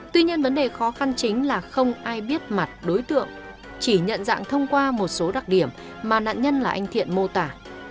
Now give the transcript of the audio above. tuy nhiên vấn đề khó khăn chính là không ai biết mặt đối tượng chỉ nhận dạng thông qua một số đặc điểm mà nạn nhân là anh thiện mô tả